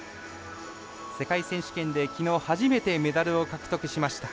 世界選手権できのう初めてメダルを獲得しました。